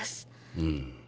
うん。